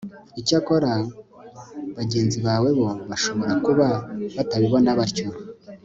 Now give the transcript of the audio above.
icyakora bagenzi bawe bo bashobora kuba batabibona batyo